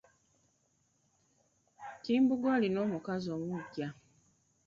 Kimbugwe alina omukazi omuggya.